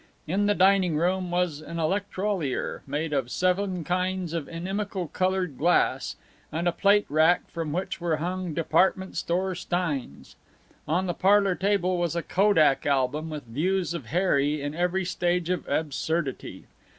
In the dining room was an electrolier made of seven kinds of inimical colored glass, and a plate rack from which were hung department store steins. On the parlor table was a kodak album with views of Harry in every stage of absurdity.